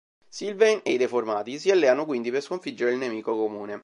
Sylvain e i Deformati si alleano quindi per sconfiggere il nemico comune.